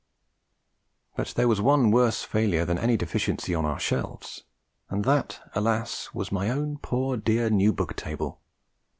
But there was one worse failure than any deficiency on our shelves, and that, alas! was my own poor dear New Book Table.